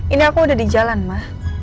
ini aku udah di jalan mah